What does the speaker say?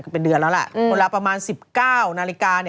เป็นเดือนแล้วแหละประมาณ๑๙นาฬิกาเนี่ย